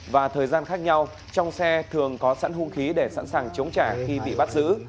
và thời gian khác nhau trong xe thường có sẵn hung khí để sẵn sàng chống trả khi bị bắt giữ